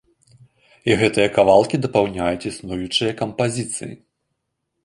І гэтыя кавалкі дапаўняюць існуючыя кампазіцыі.